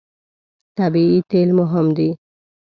طبیعي تېل مهم دي.